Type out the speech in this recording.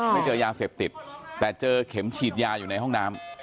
ไม่เจอยาเสพติดแต่เจอเข็มฉีดยาอยู่ในห้องน้ำ